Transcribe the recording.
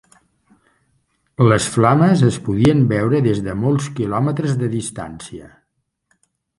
Les flames es podien veure des de molts quilòmetres de distància.